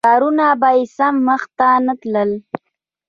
کارونه به یې سم مخته نه تلل.